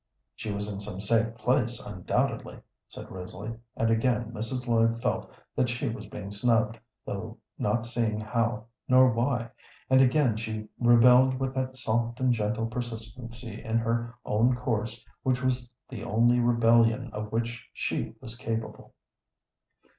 "She was in some safe place, undoubtedly," said Risley, and again Mrs. Lloyd felt that she was snubbed, though not seeing how nor why, and again she rebelled with that soft and gentle persistency in her own course which was the only rebellion of which she was capable.